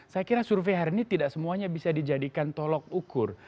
saya kira survei hari ini tidak semuanya bisa dijadikan tolok ukur